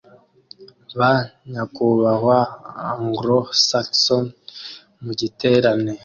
Ba nyakubahwa Anglo Saxon mu giterane